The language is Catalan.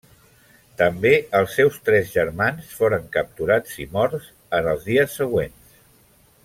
També els seus tres germans foren capturats i morts en els dies següents.